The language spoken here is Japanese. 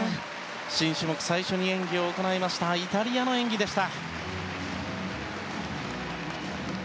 新種目、最初に演技を行いましたイタリアの演技でした。